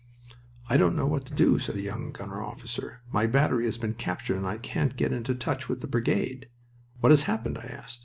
"I don't know what to do," said a young gunner officer. "My battery has been captured and I can't get into touch with the brigade." "What has happened?" I asked.